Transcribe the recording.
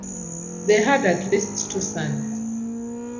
They had at least two sons.